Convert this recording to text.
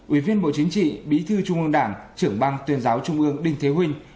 ủy viên bộ chính trị bí thư trung ương đảng trưởng ban tuyên giáo trung ương đinh thế huynh